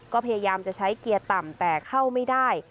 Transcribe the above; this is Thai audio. ก็พยายามจะใช้เกียร์ต่ำแต่เข้าไม่ได้